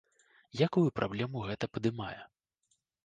Якую праблему гэта падымае?